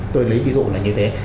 tôi lấy ví dụ là như thế